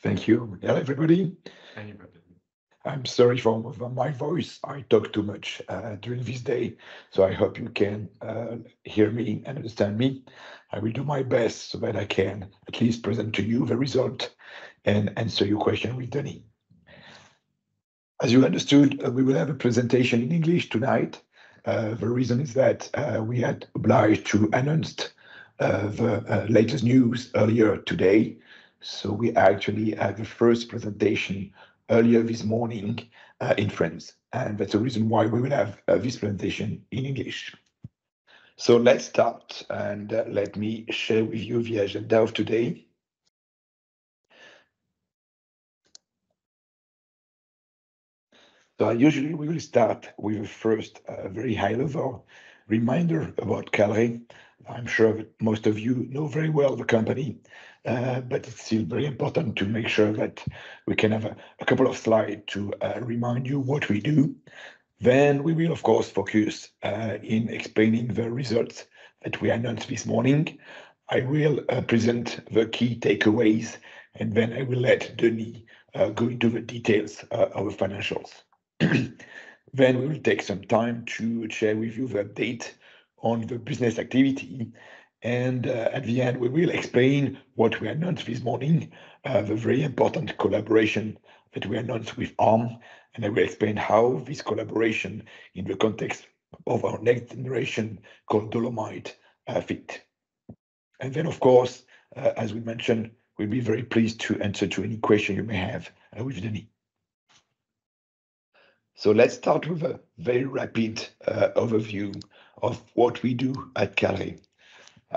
Thank you. Hello, everybody. I'm sorry for, for my voice. I talked too much during this day, so I hope you can hear me and understand me. I will do my best so that I can at least present to you the result and answer your question with Denis. As you understood, we will have a presentation in English tonight. The reason is that, we had obliged to announce the latest news earlier today, so we actually had the first presentation earlier this morning in France, and that's the reason why we will have this presentation in English. So let's start, and let me share with you the agenda of today. So usually we will start with first, a very high-level reminder about Kalray. I'm sure most of you know very well the company, but it's still very important to make sure that we can have a couple of slides to remind you what we do. Then we will, of course, focus in explaining the results that we announced this morning. I will present the key takeaways, and then I will let Denis go into the details of the financials. Then we will take some time to share with you the update on the business activity. And at the end, we will explain what we announced this morning, the very important collaboration that we announced with Arm, and I will explain how this collaboration, in the context of our next generation called Dolomites, fit. And then, of course, as we mentioned, we'll be very pleased to answer to any question you may have with Denis. So let's start with a very rapid overview of what we do at Kalray.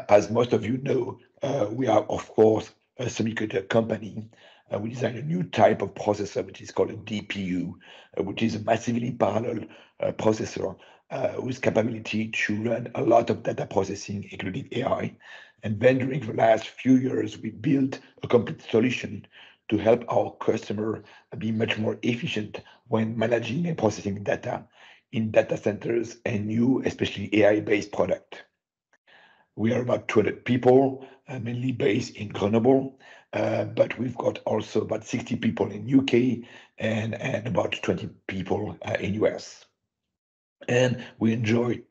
As most of you know, we are, of course, a semiconductor company, and we design a new type of processor, which is called a DPU, which is a massively parallel processor with capability to run a lot of data processing, including AI. And then, during the last few years, we built a complete solution to help our customer be much more efficient when managing and processing data in data centers and new, especially AI-based product. We are about 200 people, mainly based in Grenoble, but we've got also about 60 people in U.K. and, and about 20 people in U.S. We enjoy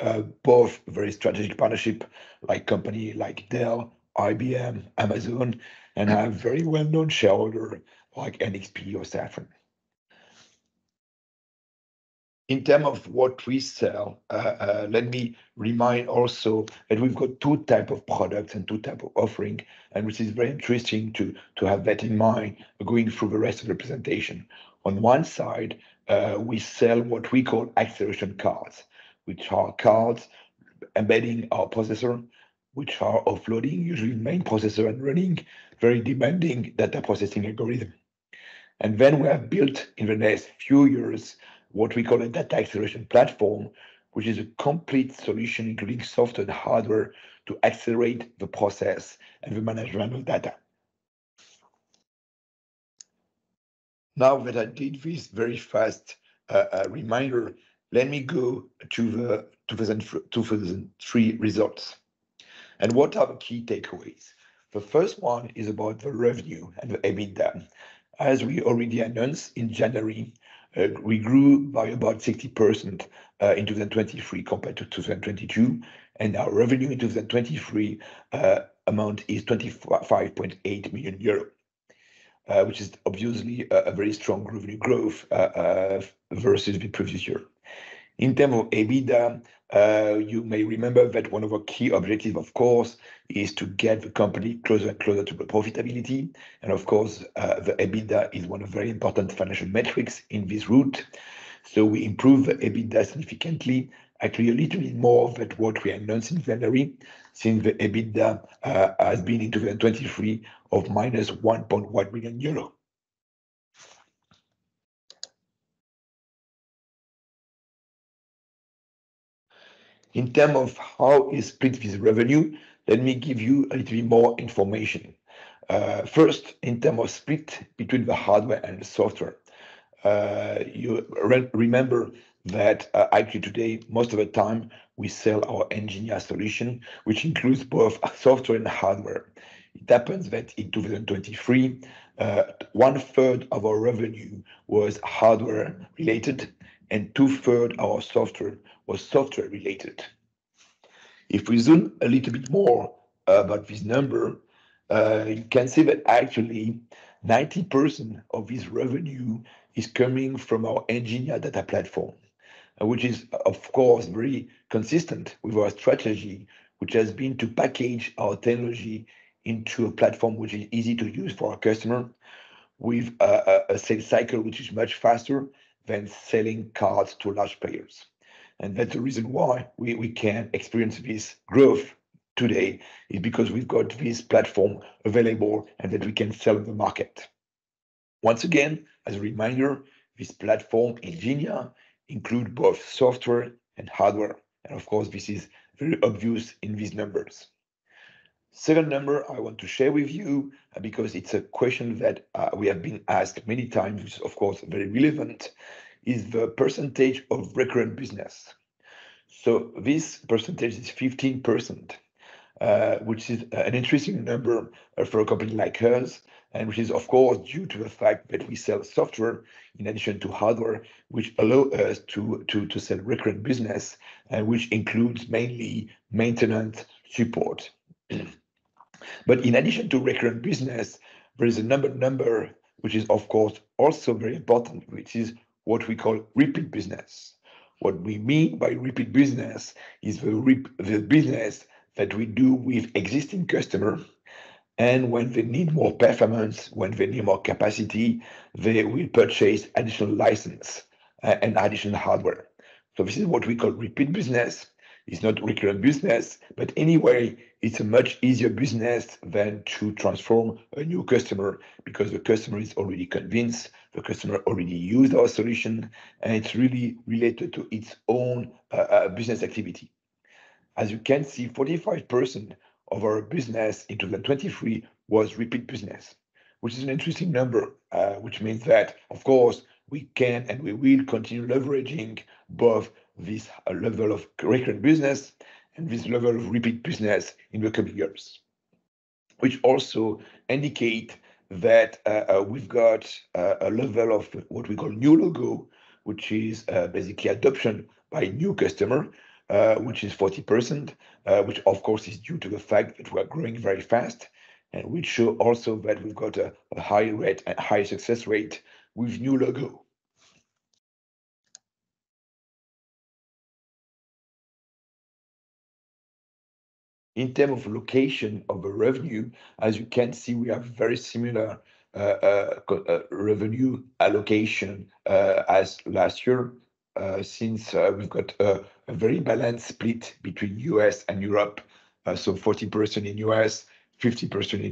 both very strategic partnerships, like companies like Dell, IBM, Amazon, and have very well-known shareholders, like NXP or Safran. In terms of what we sell, let me remind also that we've got two types of products and two types of offerings, and which is very interesting to have that in mind going through the rest of the presentation. On one side, we sell what we call acceleration cards, which are cards embedding our processor, which are offloading usually main processor, and running very demanding data processing algorithms. And then we have built, in the next few years, what we call a data acceleration platform, which is a complete solution, including software and hardware, to accelerate the process and the management of data. Now that I did this very fast reminder, let me go to the 2023 results. What are the key takeaways? The first one is about the revenue and the EBITDA. As we already announced in January, we grew by about 60% in 2023 compared to 2022, and our revenue in 2023 amount is 25.8 million euro. Which is obviously a very strong revenue growth versus the previous year. In terms of EBITDA, you may remember that one of our key objective, of course, is to get the company closer and closer to the profitability. And of course, the EBITDA is one of very important financial metrics in this route. So we improve the EBITDA significantly, actually, a little bit more than what we announced in February, since the EBITDA has been in 2023 of -1.1 million euro. In terms of how we split this revenue, let me give you a little bit more information. First, in terms of split between the hardware and the software, you remember that, actually, today, most of the time, we sell our engineer solution, which includes both software and hardware. It happens that in 2023, one third of our revenue was hardware related, and two thirds of our revenue was software related. If we zoom a little bit more about this number, you can see that actually 90% of this revenue is coming from our Ngenea data platform, which is, of course, very consistent with our strategy, which has been to package our technology into a platform which is easy to use for our customer, with a sales cycle which is much faster than selling cards to large players. That's the reason why we can experience this growth today, is because we've got this platform available and that we can sell in the market. Once again, as a reminder, this platform, Ngenea, include both software and hardware, and of course, this is very obvious in these numbers. Second number I want to share with you, because it's a question that we have been asked many times, which of course very relevant, is the percentage of recurrent business. So this percentage is 15%, which is an interesting number for a company like ours, and which is, of course, due to the fact that we sell software in addition to hardware, which allow us to sell recurrent business, which includes mainly maintenance support. But in addition to recurrent business, there is a number which is, of course, also very important, which is what we call repeat business. What we mean by repeat business is the business that we do with existing customer, and when they need more performance, when they need more capacity, they will purchase additional license and additional hardware. So this is what we call repeat business. It's not recurrent business, but anyway, it's a much easier business than to transform a new customer, because the customer is already convinced, the customer already used our solution, and it's really related to its own business activity. As you can see, 45% of our business in 2023 was repeat business, which is an interesting number, which means that, of course, we can and we will continue leveraging both this level of recurrent business and this level of repeat business in the coming years. Which also indicate that, we've got a level of what we call new logo, which is basically adoption by new customer, which is 40%. Which of course is due to the fact that we are growing very fast, and which shows also that we've got a high rate, a high success rate with new logo. In terms of location of the revenue, as you can see, we have very similar revenue allocation as last year, since we've got a very balanced split between U.S. and Europe. So 40% in U.S., 50%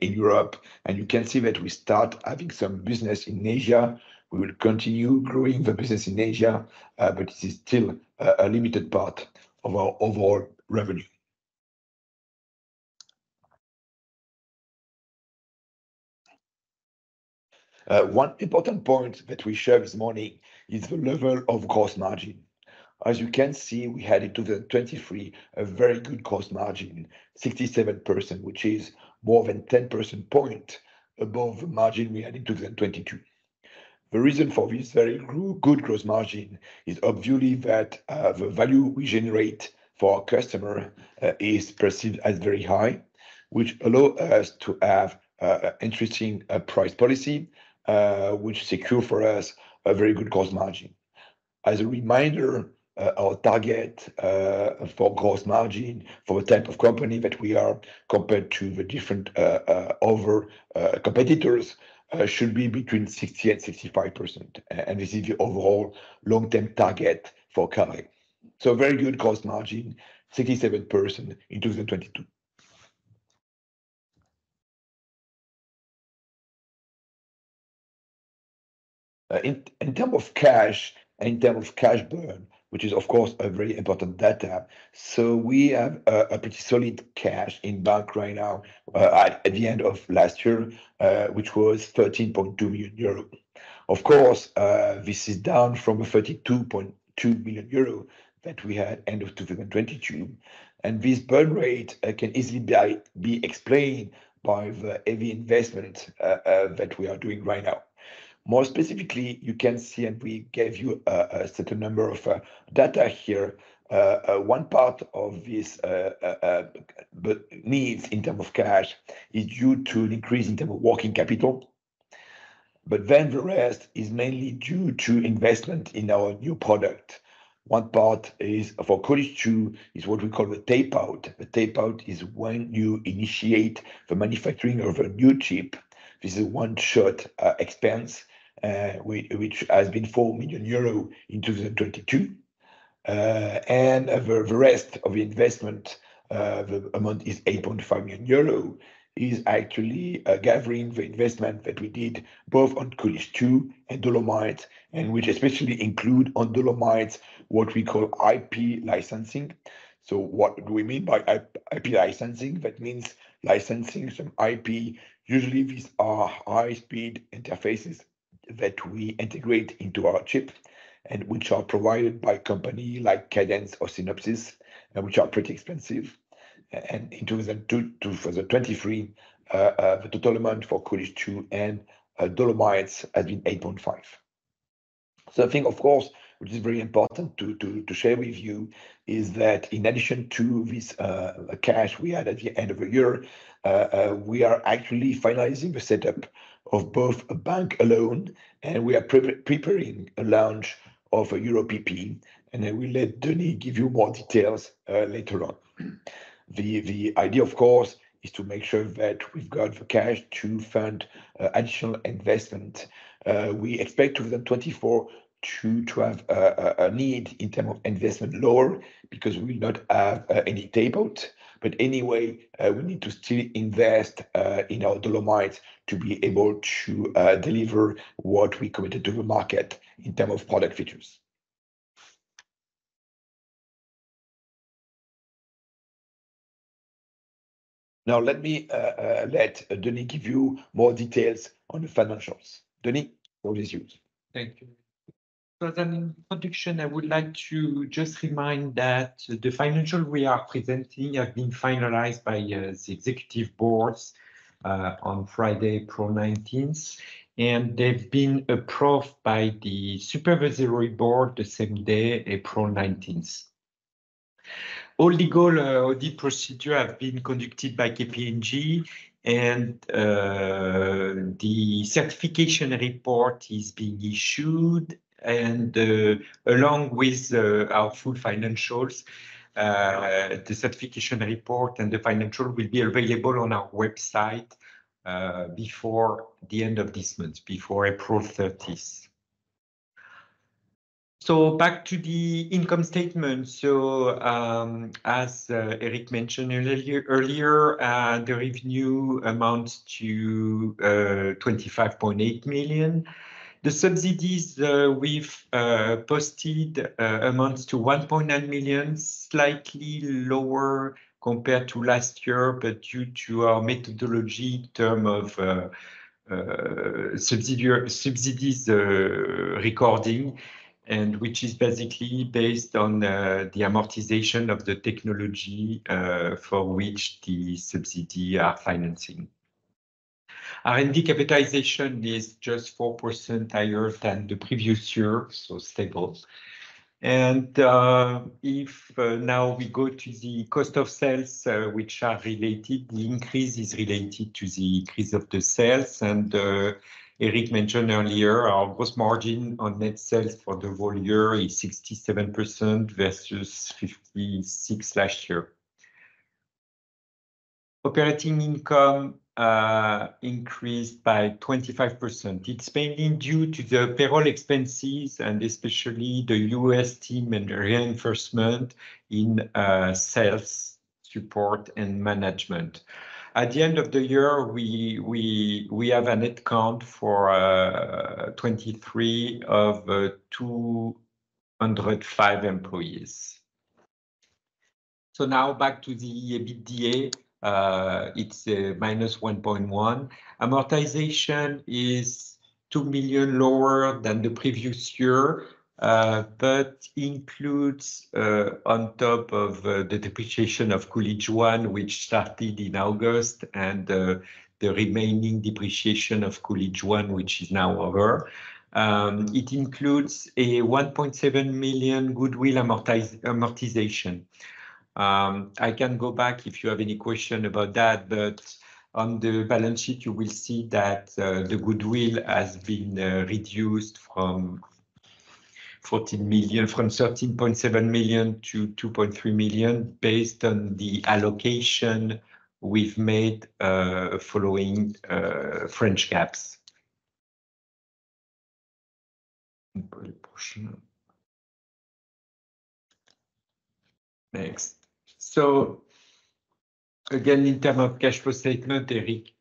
in Europe, and you can see that we start having some business in Asia. We will continue growing the business in Asia, but it is still a limited part of our overall revenue. One important point that we share this morning is the level of gross margin. As you can see, we had in 2023, a very good gross margin, 67%, which is more than 10 percentage points above the margin we had in 2022. The reason for this very good gross margin is obviously that, the value we generate for our customer, is perceived as very high, which allow us to have a, a interesting, price policy, which secure for us a very good gross margin. As a reminder, our target, for gross margin, for the type of company that we are compared to the different, other, competitors, should be between 60% and 65%, and this is the overall long-term target for Kalray. So very good gross margin, 67% in 2022. In terms of cash, in terms of cash burn, which is of course a very important data. We have a pretty solid cash in bank right now, at the end of last year, which was 13.2 million euro. Of course, this is down from 32.2 million euro that we had end of 2022, and this burn rate can easily be explained by the heavy investment that we are doing right now. More specifically, you can see, and we gave you a certain number of data here. One part of this needs in terms of cash is due to an increase in terms of working capital, but then the rest is mainly due to investment in our new product. One part is for Coolidge Two, is what we call the tape-out. The tape-out is when you initiate the manufacturing of a new chip. This is one short expense, which has been 4 million euro in 2022. And the rest of the investment, the amount is 8.5 million euro, is actually gathering the investment that we did both on Coolidge Two and Dolomites, and which especially include on Dolomites, what we call IP licensing. So what do we mean by IP, IP licensing? That means licensing some IP. Usually, these are high-speed interfaces that we integrate into our chip and which are provided by company like Cadence or Synopsys, and which are pretty expensive. And in 2022 for the 2023, the total amount for Coolidge Two and Dolomites has been 8.5 million. So I think, of course, which is very important to share with you, is that in addition to this cash we had at the end of the year, we are actually finalizing the setup of both a bank loan, and we are preparing a launch of a Euro PP, and I will let Denis give you more details later on. The idea, of course, is to make sure that we've got the cash to fund additional investment. We expect 2024 to have a need in term of investment lower, because we will not have any tape-out. But anyway, we need to still invest in our Dolomites, to be able to deliver what we committed to the market in term of product features. Now let me, let Denis give you more details on the financials. Denis, all is yours. Thank you. So, in the introduction, I would like to just remind that the financials we are presenting have been finalized by the executive board on Friday, April nineteenth, and they've been approved by the Supervisory Board the same day, April nineteenth. All legal audit procedures have been conducted by KPMG, and the certification report is being issued, and along with our full financials, the certification report and the financials will be available on our website before the end of this month, before April thirtieth. So back to the income statement. So, as Eric mentioned earlier, the revenue amounts to 25.8 million. The subsidies we've posted amount to 1.9 million, slightly lower compared to last year, but due to our methodology in terms of subsidies recording, and which is basically based on the amortization of the technology for which the subsidies are financing. R&D capitalization is just 4% higher than the previous year, so stable. Now we go to the cost of sales, which are related, the increase is related to the increase of the sales. Eric mentioned earlier, our gross margin on net sales for the whole year is 67% versus 56% last year. Operating income increased by 25%. It's mainly due to the payroll expenses and especially the U.S. team and the reinforcement in sales, support, and management. At the end of the year, we have a net count for 23 of 205 employees. So now back to the EBITDA. It's minus 1.1 million. Amortization is 2 million lower than the previous year, but includes on top of the depreciation of Coolidge One, which started in August, and the remaining depreciation of Coolidge One, which is now over. It includes a 1.7 million goodwill amortization. I can go back if you have any question about that, but on the balance sheet, you will see that the goodwill has been reduced from 13.7 million-2.3 million, based on the allocation we've made, following French GAAP. next. So again, in terms of cash flow statement, Eric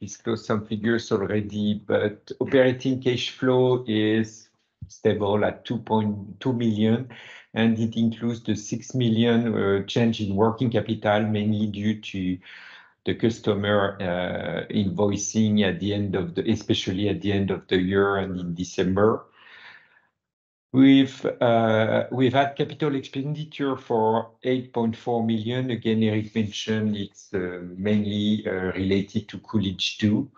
disclosed some figures already, but operating cash flow is stable at 2.2 million, and it includes the 6 million change in working capital, mainly due to the customer invoicing at the end of the year, especially at the end of the year and in December. We've had capital expenditure for 8.4 million. Again, Eric mentioned it's mainly related to Coolidge Two,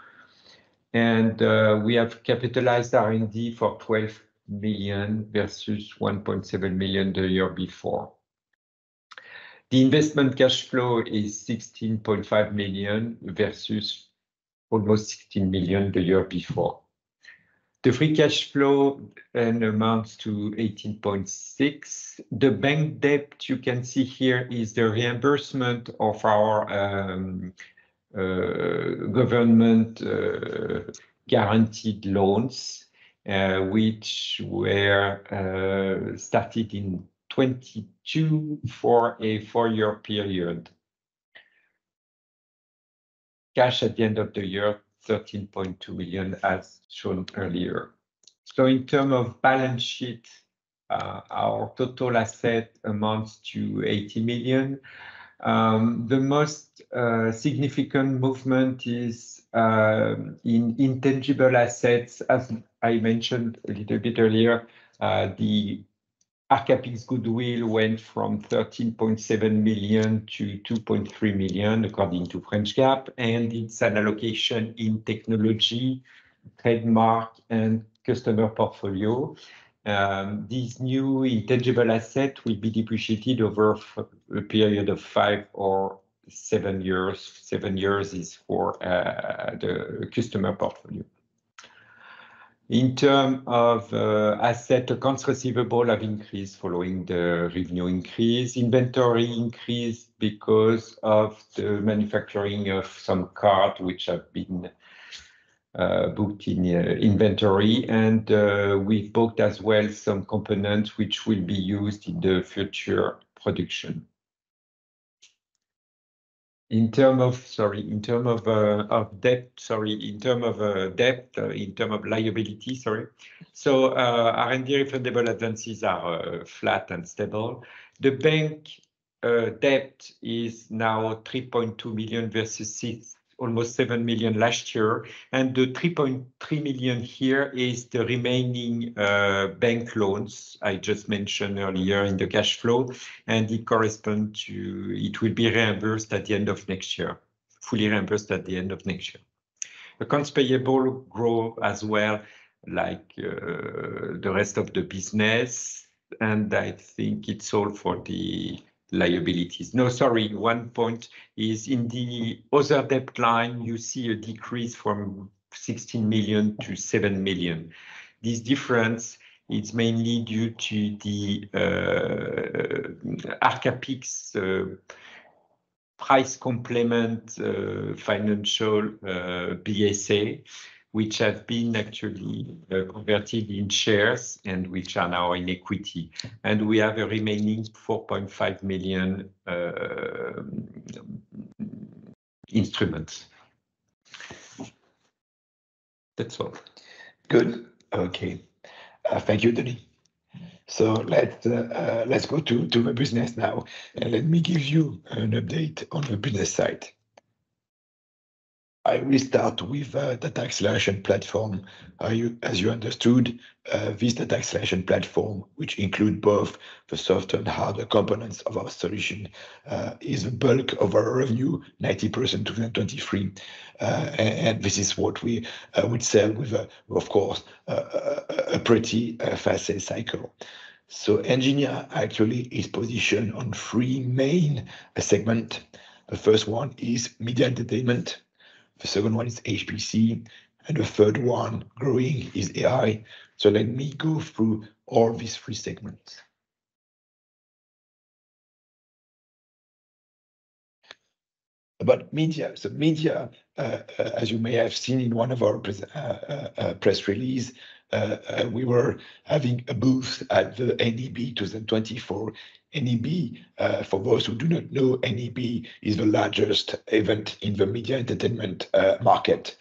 and we have capitalized R&D for 12 million versus 1.7 million the year before. The investment cash flow is 16.5 million versus almost 16 million the year before. The free cash flow then amounts to 18.6 million. The bank debt you can see here is the reimbursement of our government guaranteed loans, which were started in 2022 for a four-year period. Cash at the end of the year, 13.2 million, as shown earlier. So in terms of balance sheet, our total assets amount to 80 million. The most significant movement is in intangible assets. As I mentioned a little bit earlier, the Arcapix goodwill went from 13.7 million to 2.3 million, according to French GAAP, and it's an allocation in technology, trademark, and customer portfolio. This new intangible asset will be depreciated over a period of five or seven years. Seven years is for the customer portfolio. In terms of assets, accounts receivable have increased following the revenue increase. Inventory increased because of the manufacturing of some cars which have been booked in the inventory, and we booked as well some components which will be used in the future production. In terms of... Sorry, in terms of debt, sorry, in terms of debt, in terms of liability, sorry. So, R&D refundable advances are flat and stable.... The bank debt is now 3.2 million versus almost 7 million last year, and the 3.3 million here is the remaining bank loans I just mentioned earlier in the cash flow, and it correspond to-- it will be reimbursed at the end of next year, fully reimbursed at the end of next year. Accounts payable grow as well, like the rest of the business, and I think it's all for the liabilities. No, sorry, one point is in the other debt line, you see a decrease from 16 million to 7 million. This difference is mainly due to the Arcapix price complement financial BSA, which have been actually converted in shares and which are now in equity, and we have a remaining 4.5 million instruments. That's all. Good. Okay. Thank you, Denis. So let's go to the business now, and let me give you an update on the business side. I will start with the Ngenea solution platform. As you understood, with the Ngenea solution platform, which include both the software and hardware components of our solution, is the bulk of our revenue, 90%, 2023. And this is what we would sell with, of course, a pretty fast sale cycle. So Ngenea actually is positioned on three main segment. The first one is media entertainment, the second one is HPC, and the third one, growing, is AI. So let me go through all these three segments. About media. So media, as you may have seen in one of our press release, we were having a booth at the NAB 2024. NAB, for those who do not know, NAB is the largest event in the media entertainment market,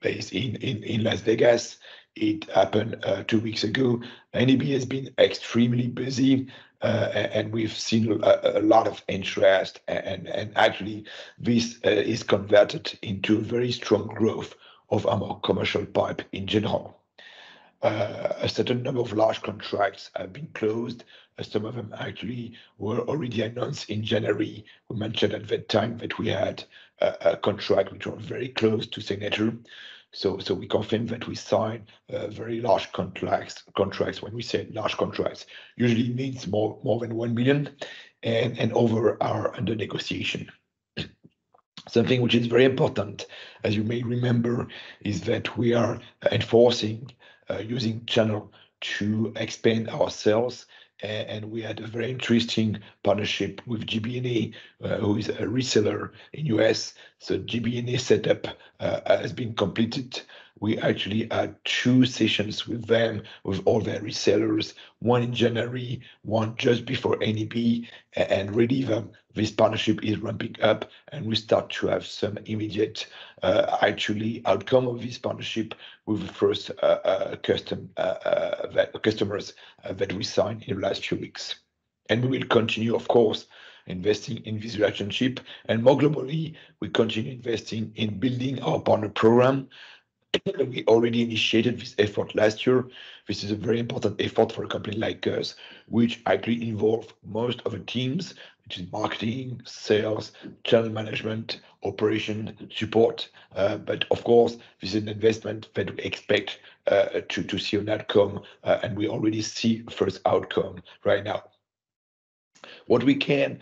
based in Las Vegas. It happened two weeks ago. NAB has been extremely busy, and we've seen a lot of interest, and actually, this is converted into a very strong growth of our commercial pipe in general. A certain number of large contracts have been closed, some of them actually were already announced in January. We mentioned at that time that we had a contract which was very close to signature, so we confirm that we signed a very large contracts. Contracts, when we say large contracts, usually means more than 1 million and over are under negotiation. Something which is very important, as you may remember, is that we are enforcing using channel to expand our sales, and we had a very interesting partnership with JB&A, who is a reseller in U.S. So JB&A setup has been completed. We actually had two sessions with them, with all their resellers. One in January, one just before NAB, and really this partnership is ramping up, and we start to have some immediate, actually, outcome of this partnership with the first customers that we signed in the last few weeks. And we will continue, of course, investing in this relationship, and more globally, we continue investing in building our partner program. We already initiated this effort last year. This is a very important effort for a company like us, which actually involve most of the teams, which is marketing, sales, channel management, operation, support. But of course, this is an investment that we expect to see an outcome, and we already see first outcome right now. What we can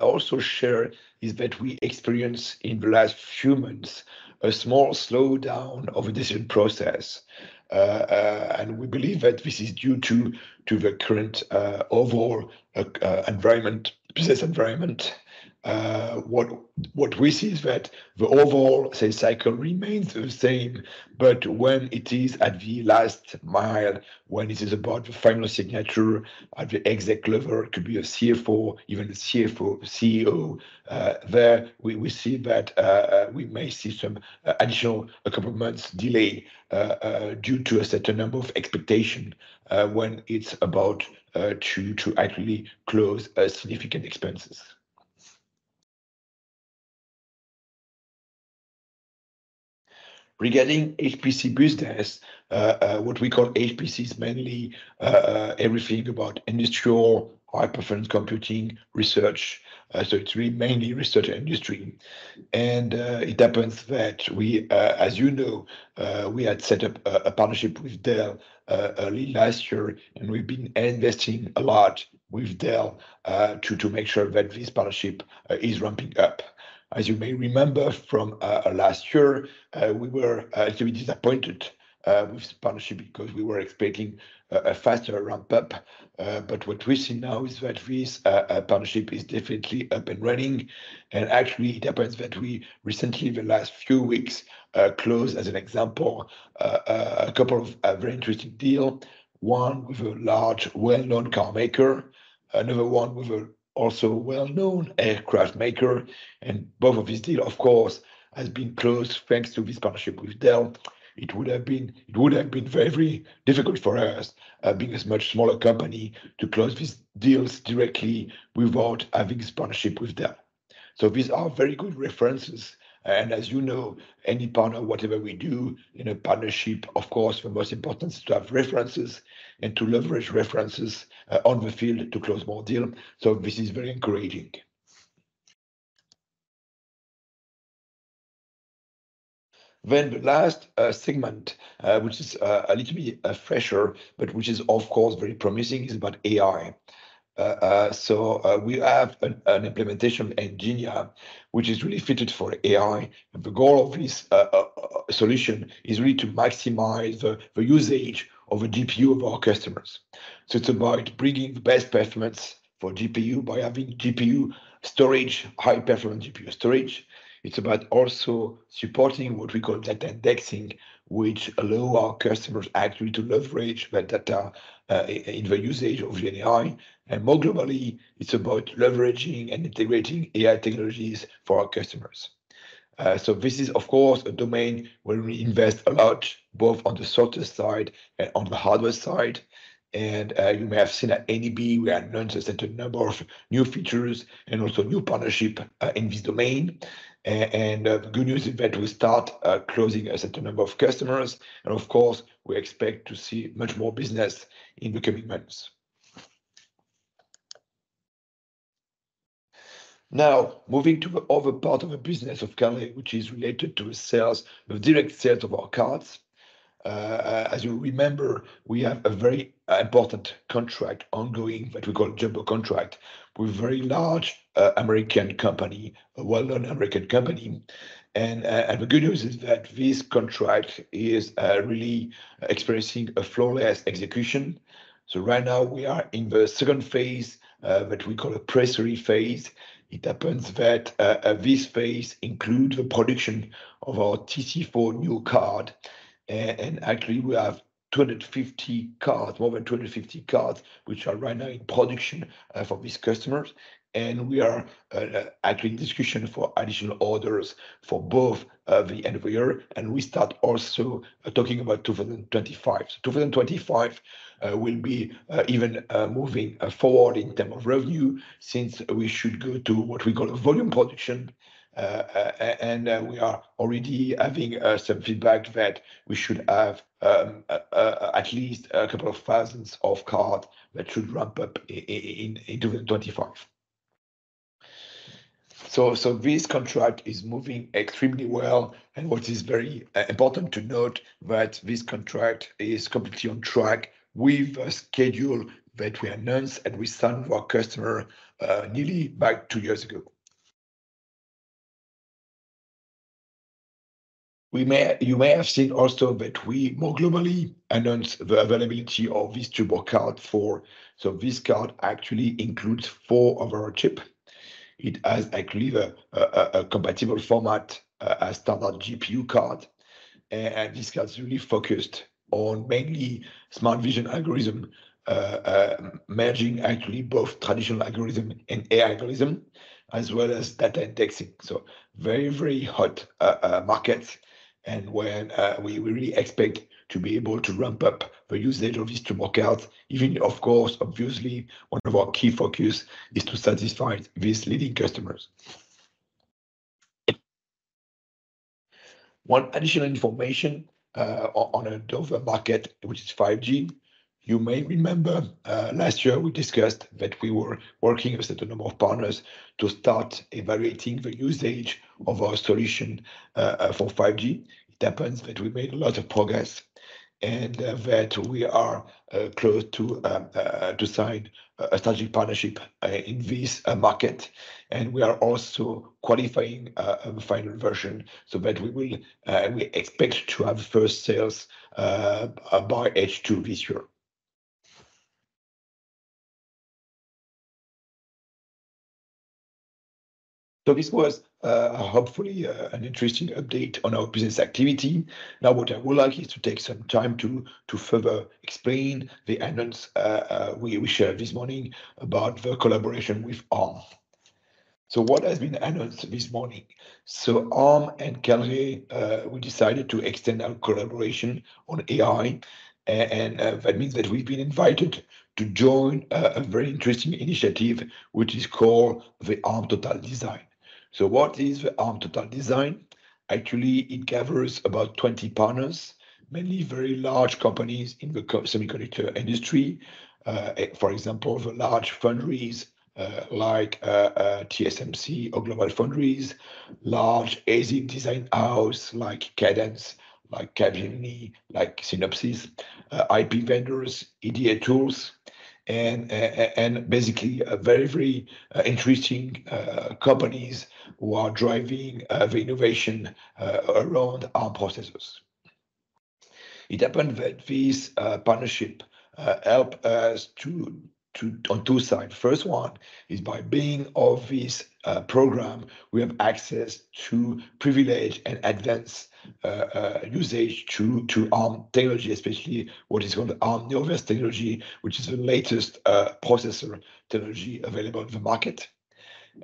also share is that we experienced in the last few months a small slowdown of decision process, and we believe that this is due to the current overall environment, business environment. What we see is that the overall sales cycle remains the same, but when it is at the last mile, when it is about the final signature at the exec level, it could be a CFO, even a CFO, CEO, there we see that we may see some additional, a couple of months delay due to a certain number of expectation when it's about to actually close significant expenses. Regarding HPC business, what we call HPC is mainly everything about industrial high-performance computing research. So it's mainly research industry. And it happens that we, as you know, we had set up a partnership with Dell early last year, and we've been investing a lot with Dell to make sure that this partnership is ramping up. As you may remember from last year, we were actually disappointed with this partnership because we were expecting a faster ramp-up. But what we see now is that this partnership is definitely up and running, and actually, it happens that we recently, the last few weeks, closed, as an example, a couple of very interesting deal. One with a large, well-known car maker. Another one with also well-known aircraft maker, and both of these deal, of course, has been closed, thanks to this partnership with Dell. It would have been. It would have been very difficult for us, being a much smaller company, to close these deals directly without having this partnership with Dell... So these are very good references, and as you know, any partner, whatever we do in a partnership, of course, the most important is to have references and to leverage references, on the field to close more deal. So this is very encouraging. Then the last segment, which is a little bit fresher, but which is of course very promising, is about AI. So we have an implementation engineer, which is really fitted for AI, and the goal of this solution is really to maximize the usage of a GPU of our customers. So it's about bringing the best performance for GPU by having GPU storage, high-performance GPU storage. It's about also supporting what we call data indexing, which allow our customers actually to leverage that data, in the usage of GenAI. More globally, it's about leveraging and integrating AI technologies for our customers. So this is, of course, a domain where we invest a lot, both on the software side and on the hardware side. You may have seen at NAB, we had announced a certain number of new features and also new partnership in this domain. Good news is that we start closing a certain number of customers, and of course, we expect to see much more business in the coming months. Now, moving to the other part of the business of Kalray, which is related to sales, the direct sales of our cards. As you remember, we have a very important contract ongoing, that we call Jumbo contract, with a very large American company, a well-known American company. The good news is that this contract is really experiencing a flawless execution. So right now we are in the second phase that we call a pre-series phase. It happens that this phase includes the production of our TC4 new card, and actually, we have 250 cards, more than 250 cards, which are right now in production for these customers. And we are actually in discussion for additional orders for both the end of the year, and we start also talking about 2025. 2025 will be even moving forward in terms of revenue, since we should go to what we call a volume production. And we are already having some feedback that we should have at least a couple of thousands of card that should ramp up in 2025. So this contract is moving extremely well, and what is very important to note that this contract is completely on track with a schedule that we announced and we signed our customer nearly back 2 years ago. You may have seen also that we more globally announced the availability of this TurboCard4. So this card actually includes 4 of our chip. It has actually a compatible format, a standard GPU card. And this card is really focused on mainly smart vision algorithm, merging actually both traditional algorithm and AI algorithm, as well as data indexing. So very, very hot markets, and where we really expect to be able to ramp up the usage of this TurboCard even of course, obviously, one of our key focus is to satisfy these leading customers. One additional information on another market, which is 5G. You may remember, last year, we discussed that we were working with a certain number of partners to start evaluating the usage of our solution for 5G. It happens that we made a lot of progress and that we are close to sign a strategic partnership in this market, and we are also qualifying the final version, so that we will we expect to have first sales by H2 this year. This was hopefully an interesting update on our business activity. Now, what I would like is to take some time to further explain the announcement we shared this morning about the collaboration with Arm. So what has been announced this morning? Arm and Kalray decided to extend our collaboration on AI, and that means that we've been invited to join a very interesting initiative, which is called the Arm Total Design. So what is the Arm Total Design? Actually, it covers about 20 partners, mainly very large companies in the semiconductor industry. For example, the large foundries, like, TSMC or GlobalFoundries, large ASIC design house, like Cadence, like Capgemini, like Synopsys, IP vendors, EDA tools, and basically, very, very interesting companies who are driving the innovation around Arm processors. It happened that this partnership help us to on two sides. First one is by being of this program, we have access to privilege and advance usage to Arm technology, especially what is called Arm Neoverse technology, which is the latest processor technology available in the market.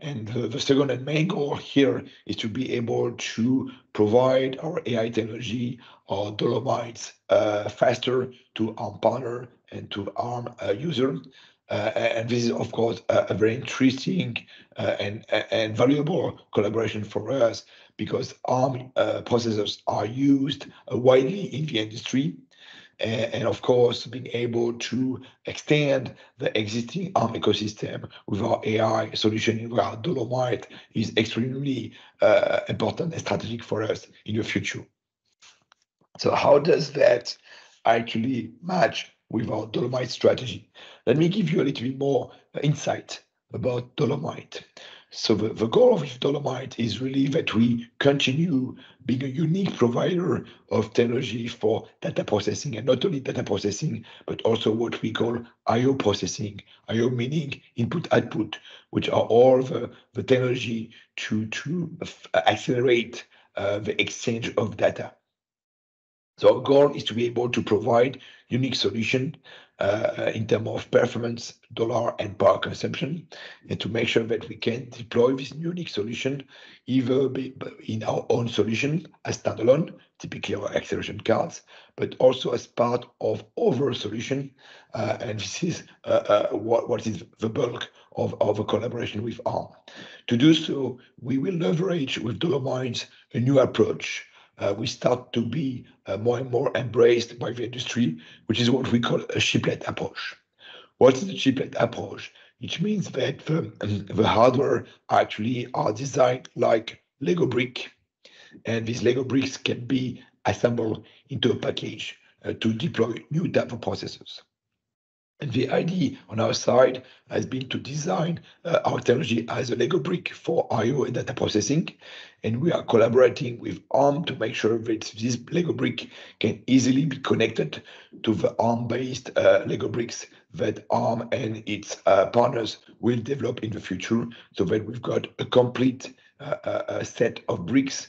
And the second and main goal here is to be able to provide our AI technology, our Dolomites, faster to Arm partner and to Arm user. And this is, of course, a very interesting and valuable collaboration for us because Arm processors are used widely in the industry. And, of course, being able to extend the existing Arm ecosystem with our AI solution in our Dolomites is extremely important and strategic for us in the future. So how does that actually match with our Dolomites strategy? Let me give you a little bit more insight about Dolomites. So the goal of Dolomites is really that we continue being a unique provider of technology for data processing, and not only data processing, but also what we call I/O processing. I/O meaning input/output, which are all the technology to accelerate the exchange of data. So our goal is to be able to provide unique solution in term of performance, dollar, and power consumption, and to make sure that we can deploy this unique solution, either be in our own solution as standalone, typically our acceleration cards, but also as part of other solution, and this is what is the bulk of a collaboration with Arm. To do so, we will leverage with Dolomites a new approach. We start to be more and more embraced by the industry, which is what we call a chiplet approach. What is the chiplet approach? Which means that the hardware actually are designed like Lego brick, and these Lego bricks can be assembled into a package to deploy new data processors. The idea on our side has been to design our technology as a Lego brick for I/O and data processing, and we are collaborating with ARM to make sure that this Lego brick can easily be connected to the ARM-based Lego bricks that ARM and its partners will develop in the future, so that we've got a complete set of bricks,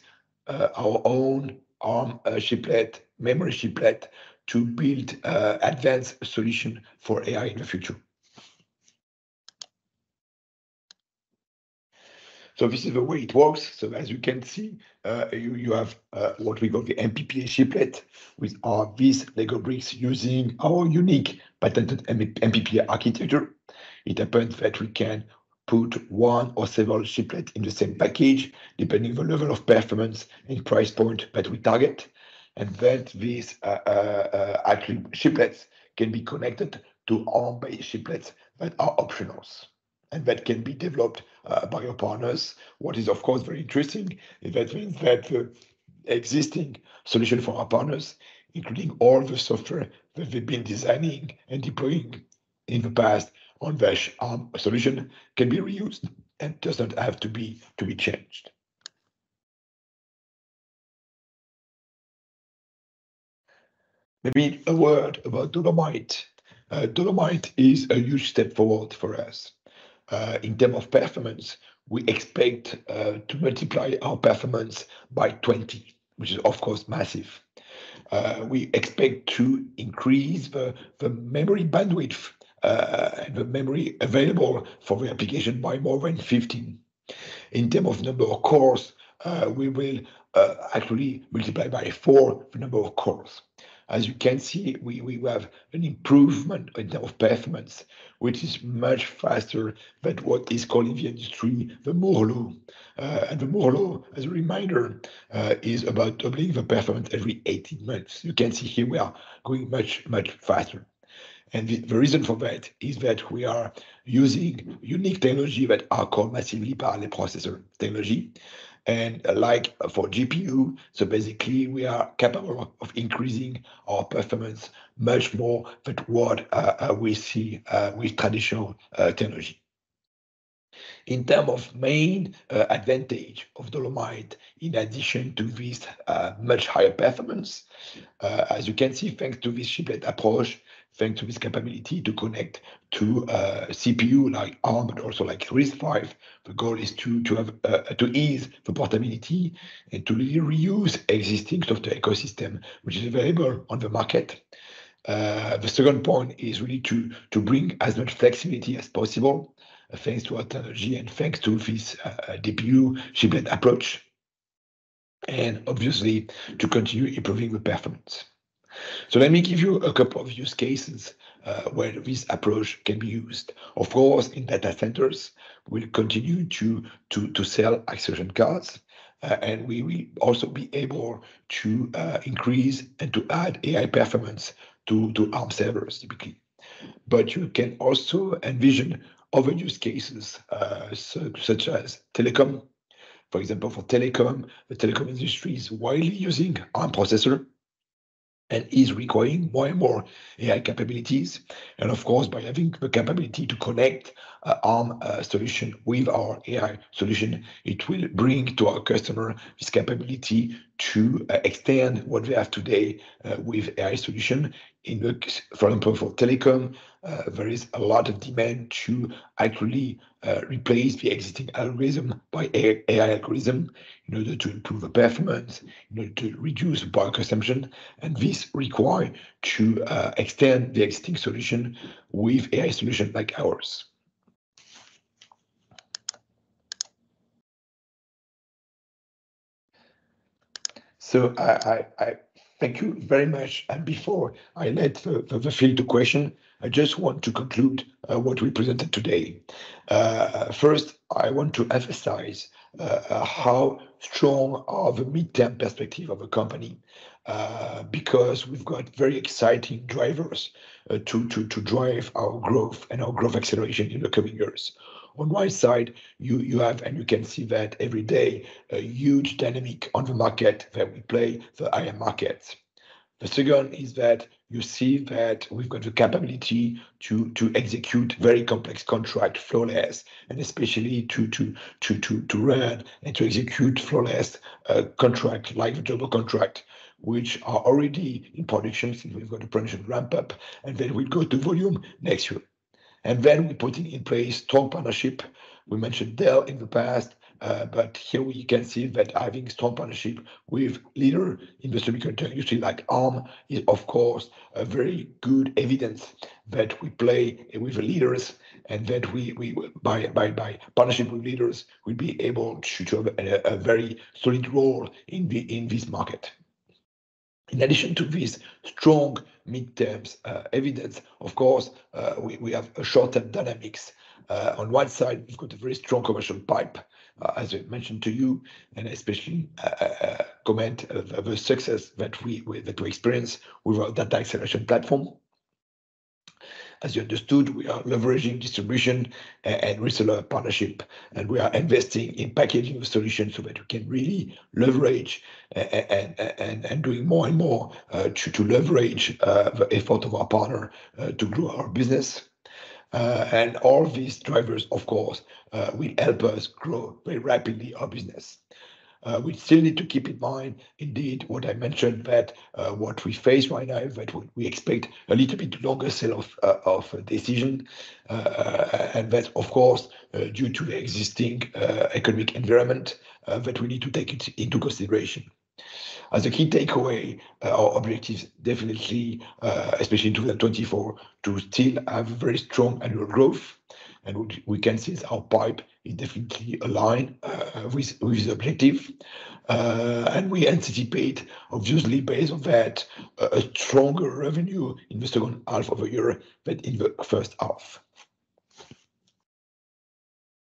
our own ARM chiplet, memory chiplet, to build advanced solution for AI in the future. This is the way it works. As you can see, you have what we call the MPPA chiplet, with these Lego bricks using our unique patented MPPA architecture. It happens that we can put one or several chiplets in the same package, depending the level of performance and price point that we target, and that these actually chiplets can be connected to Arm-based chiplets that are optionals, and that can be developed by our partners. What is, of course, very interesting is that means that the existing solution for our partners, including all the software that they've been designing and deploying in the past on the Arm solution, can be reused and doesn't have to be changed. Maybe a word about Dolomites. Dolomites is a huge step forward for us. In term of performance, we expect to multiply our performance by 20, which is, of course, massive. We expect to increase the memory bandwidth, the memory available for the application by more than 15. In terms of number of cores, we will actually multiply by four the number of cores. As you can see, we have an improvement in terms of performance, which is much faster than what is called in the industry the Moore's Law. And the Moore's Law, as a reminder, is about doubling the performance every 18 months. You can see here we are going much, much faster, and the reason for that is that we are using unique technology that are called massively parallel processor technology, and like for GPU, so basically, we are capable of increasing our performance much more than what we see with traditional technology. In terms of main advantage of Dolomites, in addition to this much higher performance, as you can see, thanks to this chiplet approach, thanks to this capability to connect to CPU like Arm, but also like RISC-V, the goal is to ease the portability and to really reuse existing software ecosystem, which is available on the market. The second point is really to bring as much flexibility as possible, thanks to our technology and thanks to this DPU chiplet approach, and obviously, to continue improving the performance. So let me give you a couple of use cases where this approach can be used. Of course, in data centers, we'll continue to sell acceleration cards, and we will also be able to increase and to add AI performance to Arm servers, typically. But you can also envision other use cases, so such as telecom. For example, for telecom, the telecom industry is widely using Arm processor and is requiring more and more AI capabilities. And of course, by having the capability to connect Arm solution with our AI solution, it will bring to our customer this capability to extend what we have today with AI solution. For example, for telecom, there is a lot of demand to actually replace the existing algorithm by AI algorithm in order to improve the performance, in order to reduce power consumption, and this require to extend the existing solution with AI solution like ours. So I thank you very much. And before I let the floor to questions, I just want to conclude what we presented today. First, I want to emphasize how strong are the mid-term perspective of the company, because we've got very exciting drivers to drive our growth and our growth acceleration in the coming years. On one side, you have, and you can see that every day, a huge dynamic on the market where we play the AI market. The second is that you see that we've got the capability to execute very complex contract flawless, and especially to run and to execute flawless contract, like Jumbo contract, which are already in production. We've got a production ramp up, and then we go to volume next year. Then we putting in place strong partnership. We mentioned Dell in the past, but here we can see that having strong partnership with leader in the semiconductor industry, like Arm, is of course a very good evidence that we play with the leaders and that we by partnership with leaders, we'll be able to have a very solid role in the—in this market. In addition to this strong midterms evidence, of course, we have a short-term dynamics. On one side, we've got a very strong commercial pipe, as I mentioned to you, and especially comment of the success that we experience with our data acceleration platform. As you understood, we are leveraging distribution and reseller partnership, and we are investing in packaging solutions so that we can really leverage and doing more and more to leverage the effort of our partner to grow our business. And all these drivers, of course, will help us grow very rapidly our business. We still need to keep in mind indeed, what I mentioned, that what we face right now, that we expect a little bit longer sale of decision, and that, of course, due to the existing economic environment, that we need to take it into consideration. As a key takeaway, our objective definitely, especially in 2024, to still have very strong annual growth, and we can see our pipe is definitely aligned with the objective. And we anticipate, obviously, based on that, a stronger revenue in the second half of the year than in the first half.